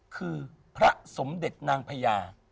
คือพระสมเด็จนางพญา